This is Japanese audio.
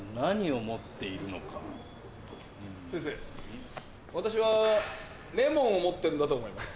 先生私はレモンを持ってるんだと思います。